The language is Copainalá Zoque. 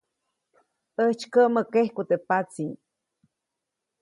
ʼÄjtsykäʼmä kejku teʼ patsi.